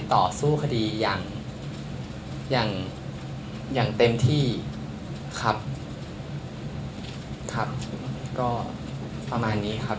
ต่อสู้คดีอย่างเต็มที่ครับก็ประมาณนี้ครับ